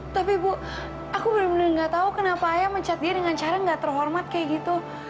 tapi bu aku bener bener gak tau kenapa ayah mencat dia dengan cara nggak terhormat kayak gitu